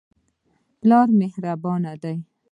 پلار مهربانه دی.